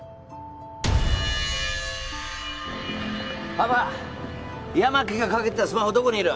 幅八巻がかけてたスマホどこにいる？